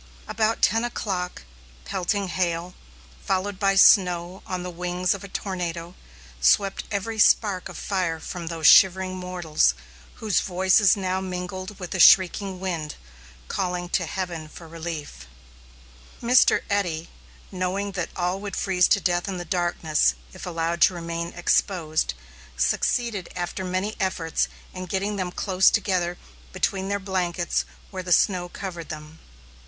About ten o'clock, pelting hail, followed by snow on the wings of a tornado, swept every spark of fire from those shivering mortals, whose voices now mingled with the shrieking wind, calling to heaven for relief. Mr. Eddy, knowing that all would freeze to death in the darkness if allowed to remain exposed, succeeded after many efforts in getting them close together between their blankets where the snow covered them.